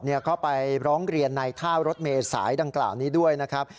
เข้าไปร้องเรียนในท่ารถเมษายดังกล่าวนี้ด้วยนะครับ